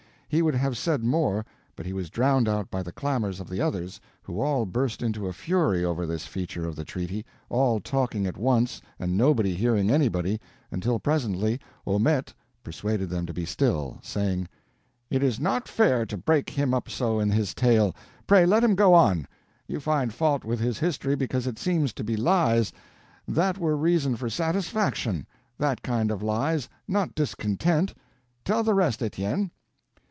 He would have said more, but he was drowned out by the clamors of the others, who all burst into a fury over this feature of the treaty, all talking at once and nobody hearing anybody, until presently Haumette persuaded them to be still, saying: "It is not fair to break him up so in his tale; pray let him go on. You find fault with his history because it seems to be lies. That were reason for satisfaction—that kind of lies—not discontent. Tell the rest, Etienne."